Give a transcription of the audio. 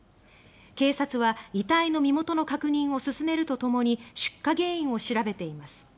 警察は、遺体の身元の確認を進めるとともに出火原因を調べています。